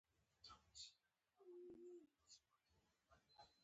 ایا شیدې جوشوئ؟